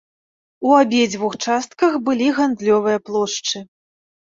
У абедзвюх частках былі гандлёвыя плошчы.